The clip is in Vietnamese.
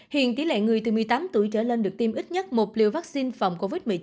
hiện tỷ lệ người từ một mươi tám tuổi trở lên được tiêm ít nhất một liều vaccine phòng covid một mươi chín